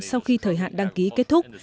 sau khi thời hạn đăng ký kết thúc